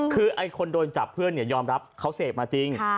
คือไอ้คนโดนจับเพื่อนยอมรับเขาเสพมาจริง